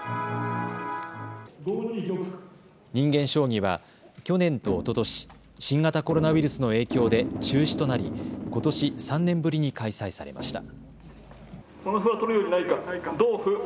人間将棋は去年とおととし、新型コロナウイルスの影響で中止となり、ことし３年ぶりに開催されました。